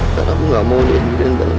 karena aku gak mau lihat diri yang dalam jatuh